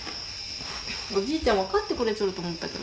おじいちゃん分かってくれちょると思ったけど。